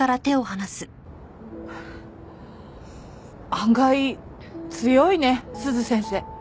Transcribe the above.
案外強いね鈴先生。